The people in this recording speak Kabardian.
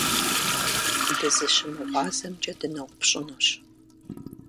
ДызыщымыгъуазэмкӀэ дыноупщӀынущ.